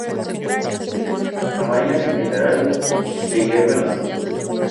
Para baños en general, se hierven las hojas.